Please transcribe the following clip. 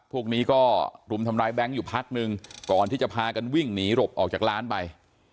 พวกนี้ก็รุมทำร้ายแบงค์อยู่พักนึงก่อนที่จะพากันวิ่งหนีหลบออกจากร้านไป